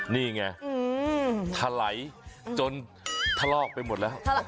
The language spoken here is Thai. นี่ไงถลายจนทะลอกไปหมดแล้ว